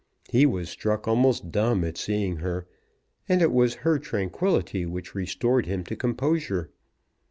He was struck almost dumb at seeing her, and it was her tranquillity which restored him to composure.